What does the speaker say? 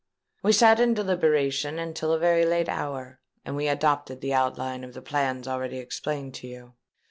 We sat in deliberation until a very late hour; and we adopted the outline of the plans already explained to you.